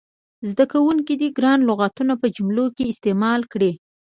زده کوونکي دې ګران لغتونه په جملو کې استعمال کړي.